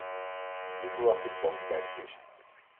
Nu verwacht ik boter bij de vis.